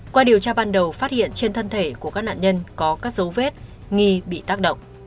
qua điều tra ban đầu phát hiện trên thân thể của các nạn nhân có các dấu vết nghi bị tác động